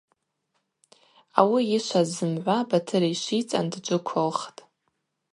Ауи йышваз зымгӏва Батыр йшвицӏан дджвыквылхтӏ.